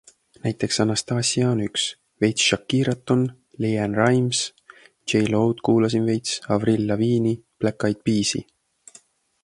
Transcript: Näiteks Anastasia on üks, veits Shakirat on, LeAnn Rimes, J-Lo'd kuulasin veits, Avril Lavigne'i, Black Eyed Peas'i.